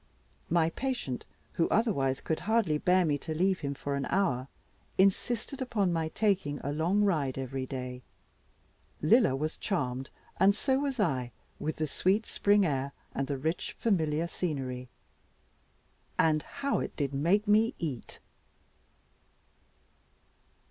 My patient, who otherwise could hardly bear me to leave him for an hour, insisted upon my taking a long ride every day. Lilla was charmed, and so was I, with the sweet spring air, and the rich familiar scenery. And how it did make me eat!